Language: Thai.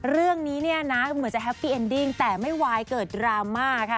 เรื่องนี้เนี่ยนะเหมือนจะแฮปปี้เอ็นดิ้งแต่ไม่วายเกิดดราม่าค่ะ